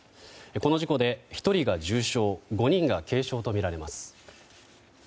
この事故で１人が重傷５人が軽傷とみられます。